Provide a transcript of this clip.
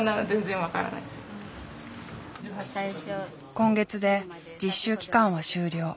今月で実習期間は終了。